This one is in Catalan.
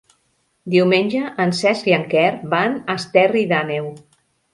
Diumenge en Cesc i en Quer van a Esterri d'Àneu.